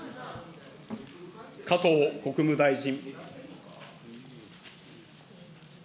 加藤国務大臣。